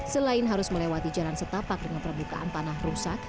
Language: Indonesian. selain harus melewati jalan setapak dengan permukaan tanah rusak